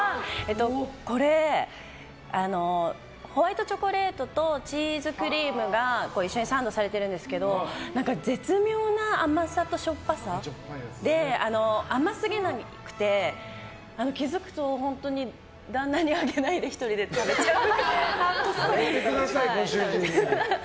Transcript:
これ、ホワイトチョコレートとチーズクリームが一緒にサンドされてるんですけど絶妙な甘さとしょっぱさで甘すぎなくて、気づくと旦那にあげないで１人で食べちゃう。